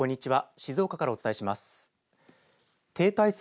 静岡からお伝えします。